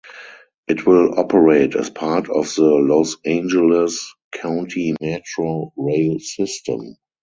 It will operate as part of the Los Angeles County Metro Rail system.